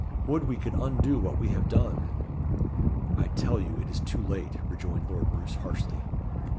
Would we could undo what we have done!" "I tell you it is too late," rejoined Lord Roos harshly.